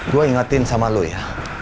gue ingetin sama lo ya